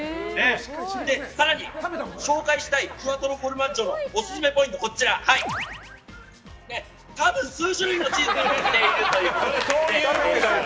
更に、紹介したいクアトロフォルマッジョのオススメポイントは多分、数種類のチーズがのっているという。